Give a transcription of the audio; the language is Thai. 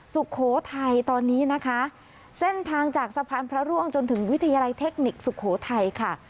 สุโขทัยตอนนี้นะคะเส้นทางจากสะพานพระร่วงจนถึงวิทยาลัยเทคนิคสุโขทัยค่ะ